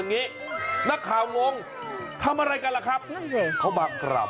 เขาก็มากราบว่าสะกาน